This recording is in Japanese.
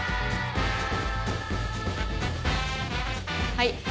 はい！